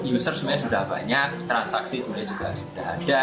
user sebenarnya sudah banyak transaksi sebenarnya juga sudah ada